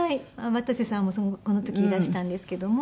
渡瀬さんもこの時いらしたんですけども。